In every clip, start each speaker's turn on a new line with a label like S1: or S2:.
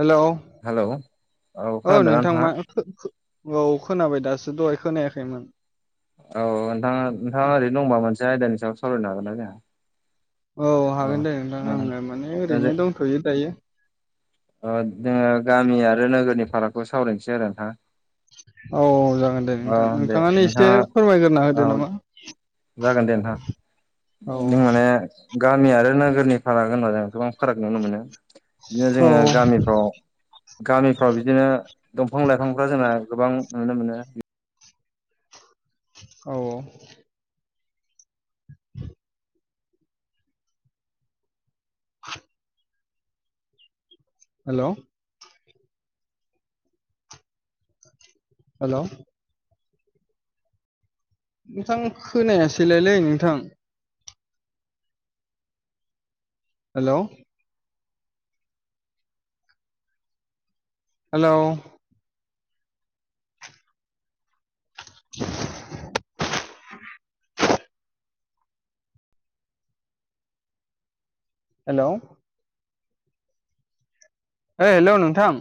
S1: hello
S2: hello
S1: औ
S2: खोनादोंना
S1: नोंथां
S2: नोंथाङा
S1: मा औ खोनाबाय दासो दहाय खोनायाखैमोन
S2: औ नोंथाङा नोंथाङा ओरैनो दंबा मोनसे आयदानि सायाव सावरायनो हागोन ना जोंहा
S1: औ हागोन दे नोंथां आङो माने ओरैनो दंथ'यो दायो
S2: अ जोङो गामि आरो नोगोरनि फारागखौ सावरायनोसै आरो ना
S1: औ जागोन दे नोंथां नोंथाङानो एसे
S2: नोंथाङा
S1: फोरमायग्रोना
S2: औ
S1: होदो नामा
S2: जागोन दे नोंथां
S1: औ
S2: जों माने गामि आरो नोगोरनि फाराग होनबा जों गोबां फाराग नुनो मोनो बिदिनो
S1: औ
S2: जोङो गामिफ्राव गामिफ्राव बिदिनो दंफां लाइफांफ्रा जोंना गोबां नुनो मोनो
S1: औ औ [unintelligible] हेल' हेल' नोंथां खोनायासैलायलै नोंथां हेल' हेल' [inaudible] हेल' ओ हेल' नोंथां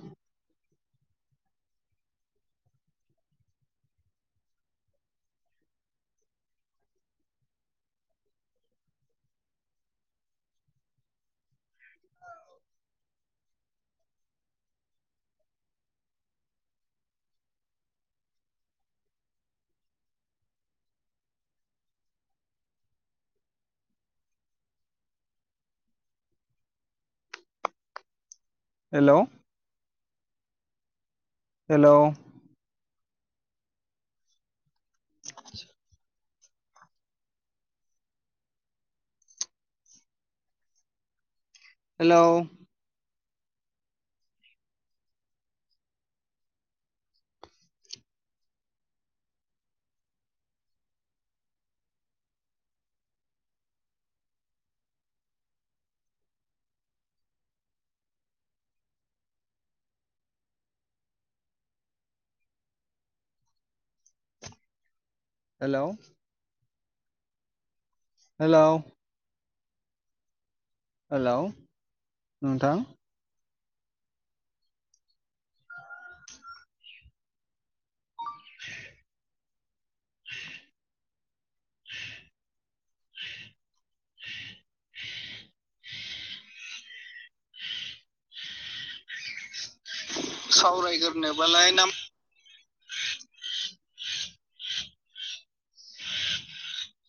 S1: हेल' हेल' [unintelligible] हेल' हेल' हेल' हेल' नोंथां सावरायग्रोनो बालाय नाम [unintelligible]